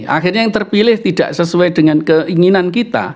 akhirnya yang terpilih tidak sesuai dengan keinginan kita